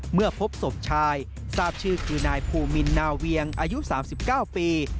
เมื่อพบศพชายทราบชื่อคือนายภูมินนาเวียงอายุ๓๙ปี